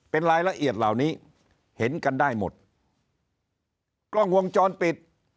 เป็นรายละเอียดเห็นกันได้หมดกล้องวงจรปิด